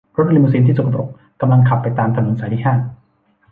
รถลีมูซีนที่สกปรกกำลังขับไปตามถนนสายที่ห้า